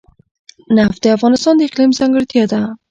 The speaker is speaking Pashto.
نفت د افغانستان د اقلیم ځانګړتیا ده.